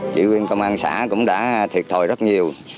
chị em bên chủ yên công an xã cũng đã thiệt thòi rất nhiều